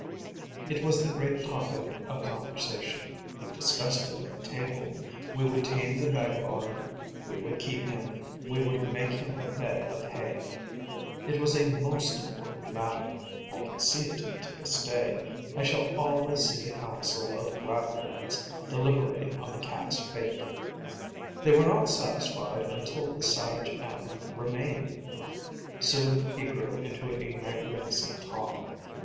It was the great topic of conversation. We discussed it at table: we would tame the vagabond, we would keep him, we would make him a bed of hay. It was a most important matter: I can see to this day, I shall always see the council of rattleheads deliberating on the Cat's fate. They were not satisfied until the savage animal remained. Soon he grew into a magnificent Tom.